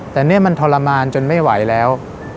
แต่นี่มันทรมานจนไม่ไหวแล้ว